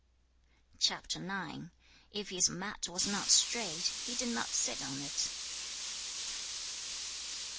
CHAP. IX. If his mat was not straight, he did not sit on it.